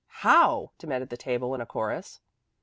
"How?" demanded the table in a chorus.